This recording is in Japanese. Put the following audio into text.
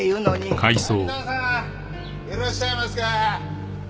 滝沢さんいらっしゃいますか？